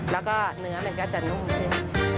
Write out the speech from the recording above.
แล้วก็เนื้อมันก็จะนุ่มขึ้น